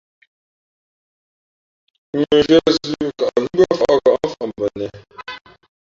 Mʉnzhwē zʉ̌,kαʼghʉ̄ mbʉ́ά fαʼ hα̌ʼmfαʼ mbα nēhē.